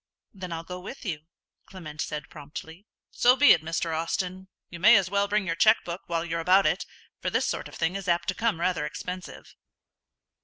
"Then I'll go with you," Clement said, promptly. "So be it, Mr. Austin. You may as well bring your cheque book while you're about it, for this sort of thing is apt to come rather expensive."